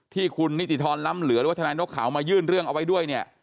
ที่คุณนิติธรรมล้ำเหลือหรือว่าทนายนกขาวมายื่นเรื่องเอาไว้ด้วยเนี่ย